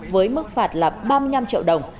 với mức phạt là ba mươi năm triệu đồng